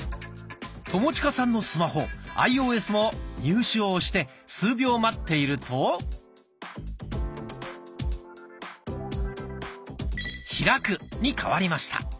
友近さんのスマホアイオーエスも入手を押して数秒待っていると「開く」に変わりました。